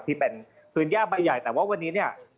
ที่เป็นพื้นย่าใบใหญ่แต่ว่าวันนี้เนี่ย